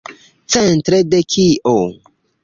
Centre de kio?